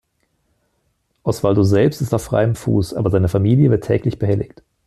Oswaldo selbst ist auf freiem Fuß, aber seine Familie wird täglich behelligt.